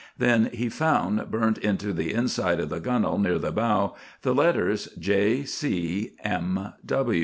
Then he found, burnt into the inside of the gunwale near the bow, the letters J. C. M.